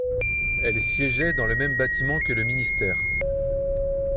Elle siégeait dans le même bâtiment que le ministère.